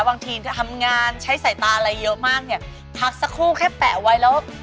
บางทีทำงานใช้สายตาอะไรเยอะมากเนี่ยพักสักครู่แค่แปะไว้แล้ว